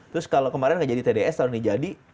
terus kalau kemarin gak jadi tds tahun ini jadi